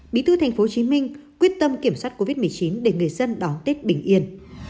bí tư tp hcm quyết tâm kiểm soát covid một mươi chín để người dân đón tết bình yên